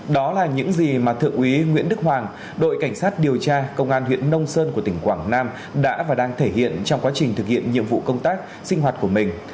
đó là những gì mà thượng úy nguyễn đức hoàng đội cảnh sát điều tra công an huyện nông sơn của tỉnh quảng nam đã và đang thể hiện trong quá trình thực hiện nhiệm vụ công tác sinh hoạt của mình